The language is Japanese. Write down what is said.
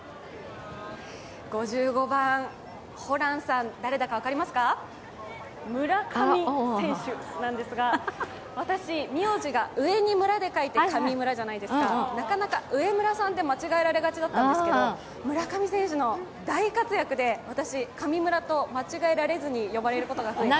５５番、ホランさん、誰だか分かりますか、村上選手なんですが、私、名字が上村じゃないですか、なかなか、「うえむらさん」と間違えられがちなんですけど、村上選手の大活躍で、私、カミムラと間違えられずに呼ばれることが増えて